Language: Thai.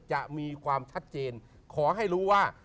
จะมีความชัดเจนขอให้รู้ว่า